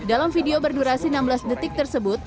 dalam video berdurasi enam belas detik tersebut